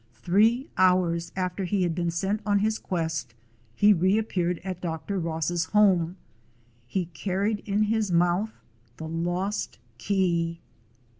Three hours after he had been sent on his quest he reappeared at Dr. Ross's home. He carried in his mouth the lost key.